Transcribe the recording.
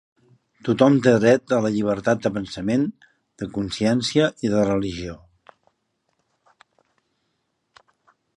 Tothom té el dret a la llibertat de pensament, de consciència i de religió.